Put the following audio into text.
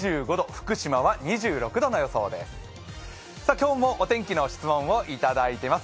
今日も、お天気の質問をいただいています。